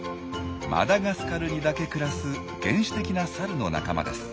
マダガスカルにだけ暮らす原始的なサルの仲間です。